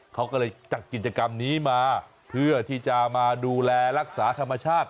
เขาก็เลยจัดกิจกรรมนี้มาเพื่อที่จะมาดูแลรักษาธรรมชาติ